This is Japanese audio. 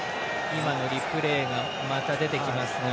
今のリプレーもまた出てきますが。